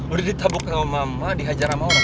udah ditabuk sama mama dihajar sama orang